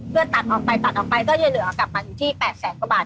เพื่อตัดออกไปก็จะเหลือกลับมาอยู่ที่๘๐๐๐บาท